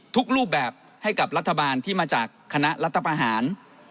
ทุกรูปแบบให้กับรัฐบาลที่มาจากคณะรัฐประหาร